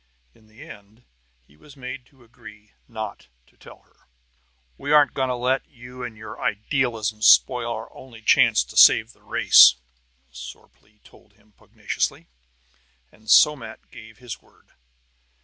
In the end he was made to agree not to tell her. "We aren't going to let you and your idealism spoil our only chance to save the race!" Sorplee told him pugnaciously; and Somat gave his word.